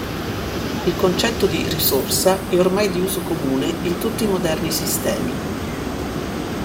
Il concetto di "risorsa" è ormai di uso comune in tutti i moderni sistemi.